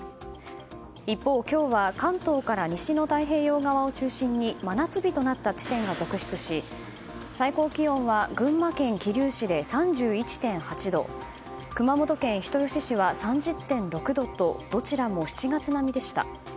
一方、今日は関東から西の太平洋側を中心に真夏日となった地点が続出し最高気温は群馬県桐生市で３１．８度熊本県人吉市は３０．６度とどちらも７月並みでした。